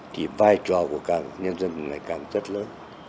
thì vai trò của các nhân dân này càng rất lớn